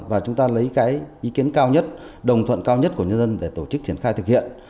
và chúng ta lấy cái ý kiến cao nhất đồng thuận cao nhất của nhân dân để tổ chức triển khai thực hiện